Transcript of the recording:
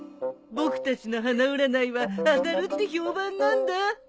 僕たちの花占いは当たるって評判なんだ。